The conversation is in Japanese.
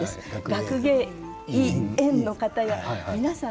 学芸員の方や皆さん